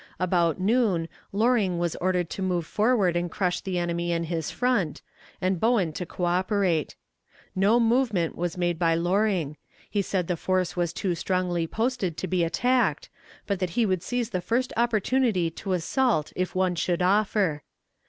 About noon Loring was ordered to move forward and crush the enemy in his front, and Bowen to coöperate. No movement was made by Loring; he said the force was too strongly posted to be attacked, but that he would seize the first opportunity to assault if one should offer.